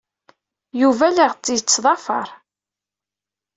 Yuba la aɣ-d-yettḍafar.